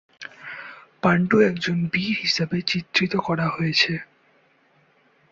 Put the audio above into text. পাণ্ডু একজন বীর হিসাবে চিত্রিত করা হয়েছে।